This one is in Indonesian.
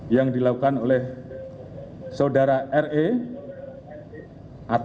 yang dilakukan oleh saudara j yang mengatakan saudara j meninggal dunia